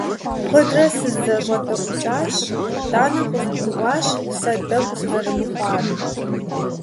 Куэдрэ сызэщӀэдэӀукӀащ, итӀанэ къызгурыӀуащ сэ дэгу сызэрымыхъуар.